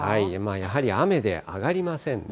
やはり雨で上がりませんね。